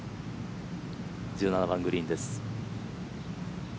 １７番グリーンです。